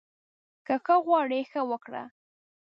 که ښه غواړې، ښه وکړه